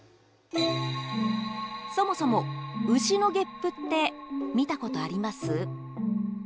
そもそも、牛のげっぷって見たことあります？